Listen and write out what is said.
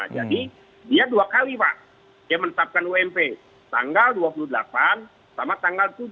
jadi dia dua kali pak dia menetapkan ump tanggal dua puluh delapan sama tanggal tujuh